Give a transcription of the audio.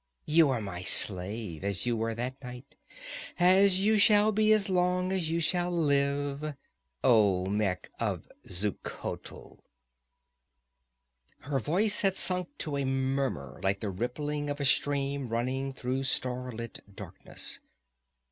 You are my slave as you were that night as you shall be so long as you shall live, Olmec of Xuchotl!" Her voice had sunk to a murmur like the rippling of a stream running through starlit darkness.